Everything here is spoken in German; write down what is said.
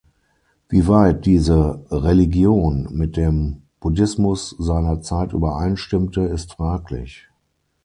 Wie weit diese „Religion“ mit dem Buddhismus seiner Zeit übereinstimmte, ist fraglich.